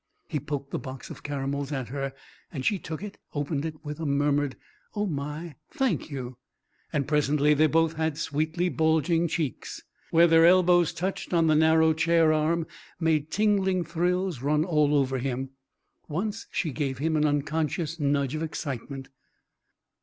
He poked the box of caramels at her, and she took it, opened it with a murmured "Oh, my, thank you!" Presently they both had sweetly bulging cheeks. Where their elbows touched on the narrow chair arm made tingling thrills run all over him. Once she gave him an unconscious nudge of excitement.